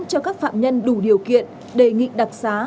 cho các phạm nhân đủ điều kiện đề nghị đặc xá